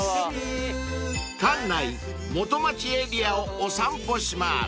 ［関内元町エリアをお散歩します］